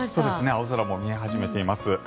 青空も見え始めています。